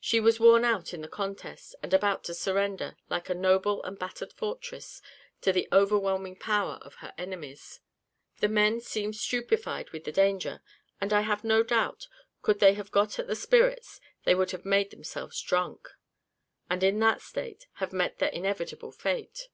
She was worn out in the contest, and about to surrender, like a noble and battered fortress, to the overwhelming power of her enemies. The men seemed stupefied with the danger; and I have no doubt, could they have got at the spirits, would have made themselves drunk; and in that state, have met their inevitable fate.